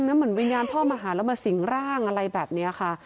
เหมือนวิญญาณพ่อมาหาแล้วมาสิงร่างอะไรแบบนี้ค่ะ